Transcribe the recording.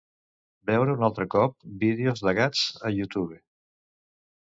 Veure un altre cop vídeos de gats a YouTube.